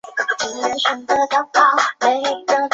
有官吏担心未经批准开粮仓会被追究而提出先上奏朝廷。